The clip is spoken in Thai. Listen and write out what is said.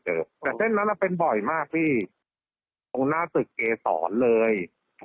แต่เส้นนั้นเป็นบ่อยมากพี่ตรงหน้าตึกเกษรเลย